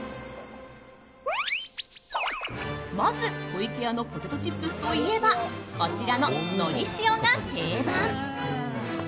まず、湖池屋のポテトチップスといえばこちらの、のり塩が定番。